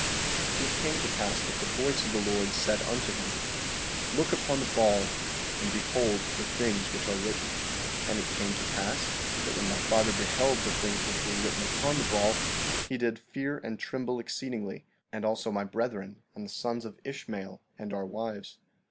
16:26 And it came to pass that the voice of the Lord said unto him: Look upon the ball, and behold the things which are written. 16:27 And it came to pass that when my father beheld the things which were written upon the ball, he did fear and tremble exceedingly, and also my brethren and the sons of Ishmael and our wives.